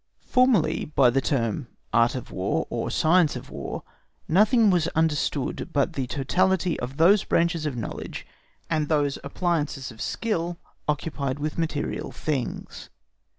Formerly by the term "Art of War," or "Science of War," nothing was understood but the totality of those branches of knowledge and those appliances of skill occupied with material things.